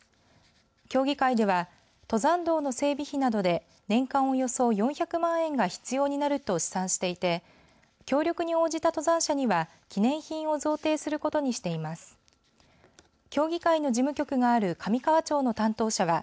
協議会では登山道の整備費などで年間およそ４００万円が必要になると試算していて協力に応じた登山者には記念品を贈呈することにしています。